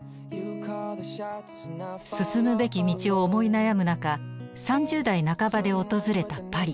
進むべき道を思い悩む中３０代半ばで訪れたパリ。